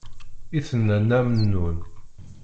I tenna Nna Mennun.